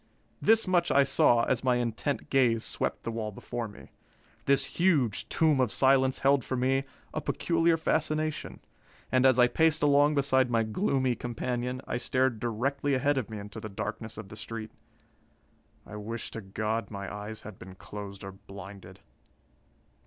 This much I saw as my intent gaze swept the wall before me. This huge tomb of silence held for me a peculiar fascination, and as I paced along beside my gloomy companion, I stared directly ahead of me into the darkness of the street. I wish to God my eyes had been closed or blinded!